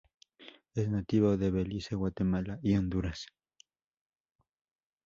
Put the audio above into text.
Es nativo de Belice, Guatemala y Honduras.